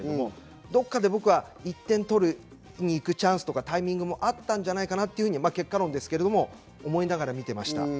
どこかで僕は１点を取りに行くチャンスやタイミングもあったんじゃないかなと、結果論ですけれど、思いながら見ていました。